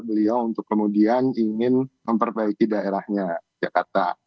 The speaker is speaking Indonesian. beliau untuk kemudian ingin memperbaiki daerahnya jakarta